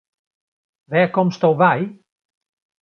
Wêr komsto wei?